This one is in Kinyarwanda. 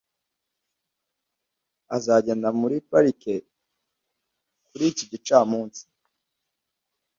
Azagenda muri parike kuri iki gicamunsi.